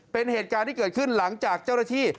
เป็นเหตุการณ์ที่เกิดขึ้นหลังจากเจ้าหน้าที่